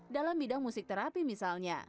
dalam bidang musik terapi misalnya